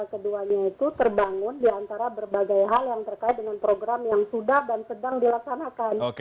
keduanya itu terbangun diantara berbagai hal yang terkait dengan program yang sudah dan sedang dilaksanakan